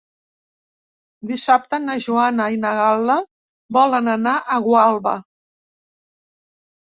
Dissabte na Joana i na Gal·la volen anar a Gualba.